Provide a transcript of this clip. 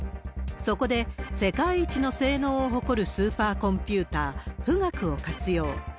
そこで、世界一の性能を誇るスーパーコンピューター、富岳を活用。